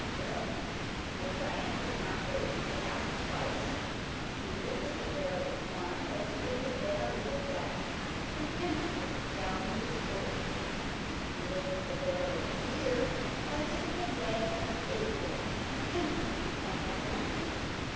Well, the giant did not wait to be asked twice. He lifted the barrel of wine as if it had been a little glass, and emptied it down his throat. He lifted the barrel of beer as if it had been an acorn, and emptied it after the wine.